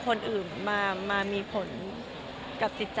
พอแล้วนะคะแม่นี่คะพอแล้วนะคะสวัสดีค่ะ